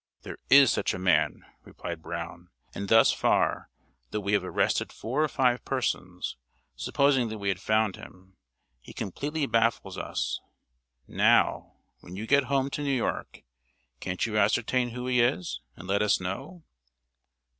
"There is such a man," replied Brown; "and thus far, though we have arrested four or five persons, supposing that we had found him, he completely baffles us. Now, when you get home to New York, can't you ascertain who he is, and let us know?"